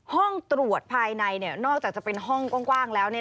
ห้องตรวจภายในนอกจากจะเป็นห้องกว้างแล้ว